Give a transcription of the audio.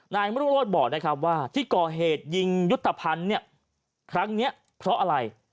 นายมรุ่งโรธบอกนะครับว่าที่ก่อเหตุยิงยุทธภัณฑ์เนี่ยครั้งนี้เพราะอะไร